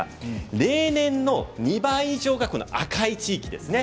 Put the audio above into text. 例年の２倍以上が赤い地域。